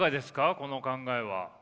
この考えは。